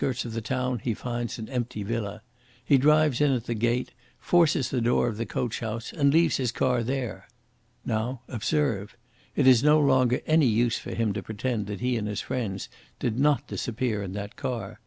Then on the outskirts of the town he finds an empty villa. He drives in at the gate, forces the door of the coach house, and leaves his car there. Now, observe! It is no longer any use for him to pretend that he and his friends did not disappear in that car.